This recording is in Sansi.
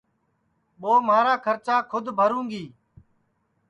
ٻو مہارا کھرچا کھود بھروںگی